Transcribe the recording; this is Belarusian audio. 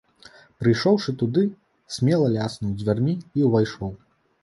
Прыйшоўшы туды, смела ляснуў дзвярмі і ўвайшоў.